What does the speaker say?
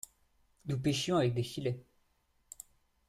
Nous pêchions avec des filets.